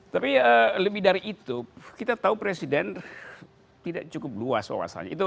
tapi lebih dari itu kita tahu presiden tidak cukup luas wawasannya